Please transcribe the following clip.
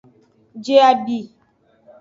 Je abi.